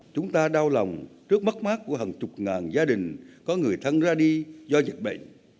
chúng ta đau lòng trước mất mát của hàng chục ngàn gia đình có người thân ra đi do dịch bệnh